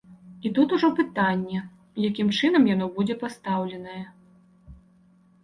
І тут ужо пытанне, якім чынам яно будзе пастаўленае.